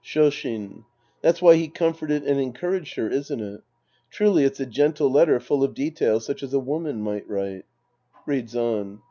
Shoshin. That's why he comforted and encouraged her, isn't it ? Truly, it's a gentle letter full of details such as a woman might write. {Reads on.)